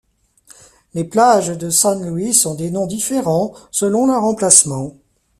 Les plages de San Luis ont des noms différents, selon leur emplacement.